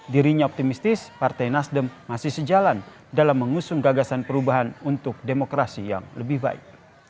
dirinya optimistis partai nasdem masih sejalan dalam mengusung gagasan perubahan untuk demokrasi yang lebih baik